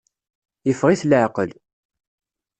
Yeffeɣ-it leεqel.